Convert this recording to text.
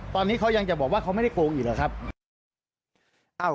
ตอนนี้เขายังจะบอกว่าเขาไม่ได้โกงอีกหรอกครับ